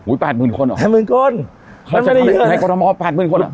อุ้ยแปดหมื่นคนเหรอแปดหมื่นคนมันไม่ได้เยอะในกรณมแปดหมื่นคนเหรอ